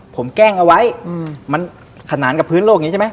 ผมแกล้งเอาไว้มันขนานกับพื้นโลกอย่างนี้ใช่ไหม